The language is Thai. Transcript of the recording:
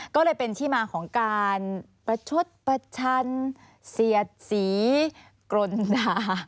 ก็เลยเป็นที่มาของการประชดประชันเสียดสีกรนด่า